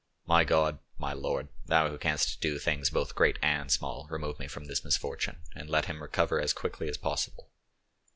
My God, my Lord, Thou who canst do things both great and small, remove from me this misfortune, and let him recover as quickly as possible.